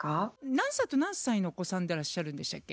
何歳と何歳のお子さんでらっしゃるんでしたっけ？